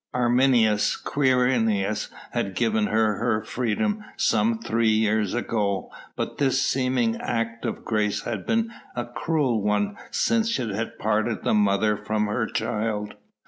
Arminius Quirinius had given her her freedom some three years ago, but this seeming act of grace had been a cruel one since it had parted the mother from her child.